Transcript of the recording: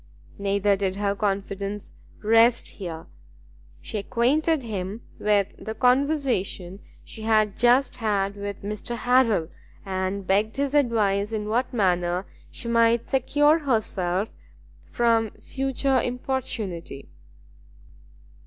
Neither did her confidence rest here; she acquainted him with the conversation she had just had with Mr Harrel, and begged his advice in what manner she might secure herself from further importunity.